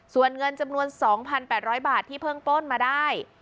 ส่วนเงินจำนวน๒๘๐๐บาทที่เพิ่งป้นมาได้